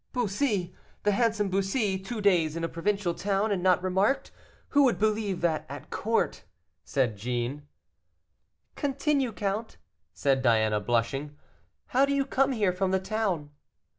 "Bussy, the handsome Bussy, two days in a provincial town and not remarked; who would believe that at court?" said Jeanne. "Continue, count," said Diana, blushing; "how do you come here from the town?"